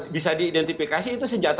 bisa diidentifikasi itu senjata